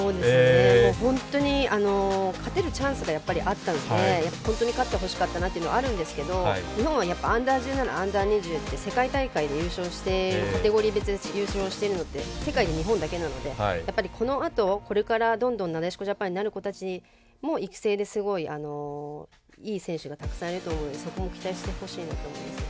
本当に勝てるチャンスがやっぱりあったので本当に勝ってほしかったなというのがあるんですけど日本はＵ‐１７Ｕ‐２０って、世界大会でカテゴリー別で優勝してるの世界で日本だけなのでこのあとこれからどんどんなでしこジャパンになる子たちも育成にすごい、いい選手がたくさんいると思うのでそこを期待してほしいなと思います。